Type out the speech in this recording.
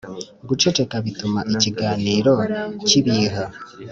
guceceka bituma ikiganiro kibiha